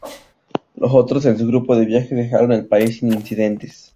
Los otros en su grupo de viaje dejaron el país sin incidentes.